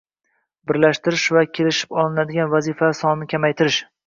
birlashtirish hamda kelishib olinadigan vazifalari sonini kamaytirish;